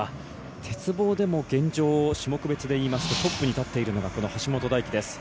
鉄棒でも現状、種目別で言いますとトップに立っているのが橋本大輝です。